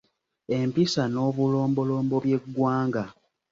Empisa n’obulombolombo by’eggwanga